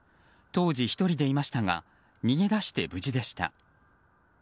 当時１人でいましたが逃げ出して無事でした。